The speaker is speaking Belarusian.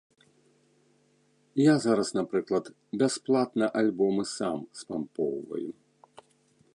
Я зараз, напрыклад, бясплатна альбомы сам спампоўваю.